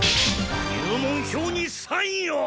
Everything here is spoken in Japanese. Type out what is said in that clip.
入門票にサインを！